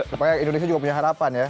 apakah indonesia juga punya harapan ya